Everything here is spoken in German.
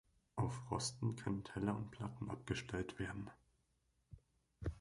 Auf Rosten können Teller und Platten abgestellt werden.